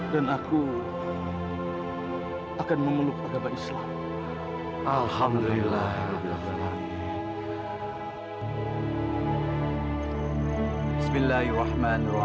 dan dalam tubuhku harus saya buang